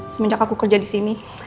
semenjak aku kerja disini